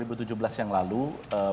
pada waktu itu sudah ada pernyataan